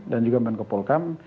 dan juga menko polkam